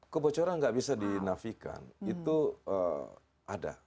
keborcoran tidak bisa dinafikan itu ada